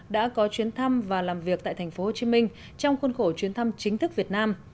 đã có chuyến thăm và làm việc tại tp hcm trong khuôn khổ chuyến thăm chính thức việt nam